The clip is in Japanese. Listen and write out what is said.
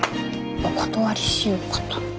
お断りしようかと。